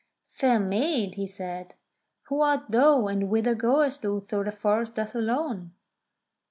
"Fair maid," he said, "who art thou, and whither goest thou through the forest thus alone